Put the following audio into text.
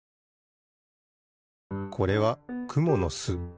これはくものす。